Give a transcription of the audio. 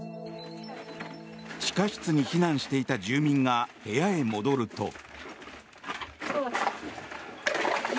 地下室に避難していた住民が部屋へ戻ると。